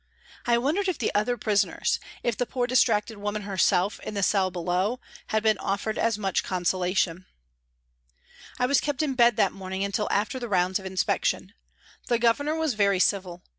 I wondered if the other prisoners, if the poor dis tracted woman herself in the cell below, had been offered as much consolation. I was kept in bed that morning until after the " A TRACK TO THE WATER'S EDGE " 141 rounds of inspection. The Governor was very civil.